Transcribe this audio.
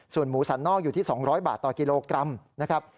ส่วนหมูสันนอกอยู่ที่๒๐๐บาทต่อกิโลกรัมนะครับ